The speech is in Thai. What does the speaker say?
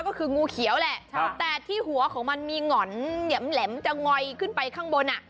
ก็คืองูเขียวแหละแต่ที่หัวของมันมีหง่อนแหลมจะงอยขึ้นไปข้างบนอ่ะ